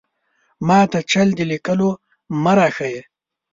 ماته چل د ليکلو مۀ راښايه!